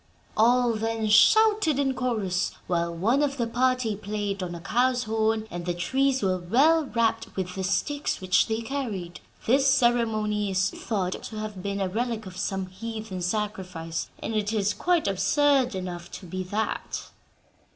"All then shouted in chorus, while one of the party played on a cow's horn, and the trees were well rapped with the sticks which they carried. This ceremony is thought to have been a relic of some heathen sacrifice, and it is quite absurd enough to be that."